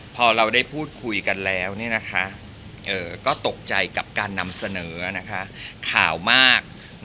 พอเราได้พูดคุยกันแล้วก็ตกใจกับการนำเสนอข่าวมาก